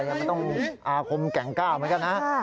มันต้องอาคมแก่งก้าวเหมือนกันนะ